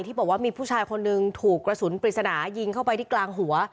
บอกว่ามีผู้ชายคนหนึ่งถูกกระสุนปริศนายิงเข้าไปที่กลางหัว